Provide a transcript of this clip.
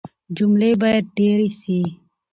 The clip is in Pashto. جملې بايد ډېري سي.